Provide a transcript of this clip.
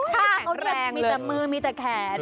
แค่แค่แค่แขน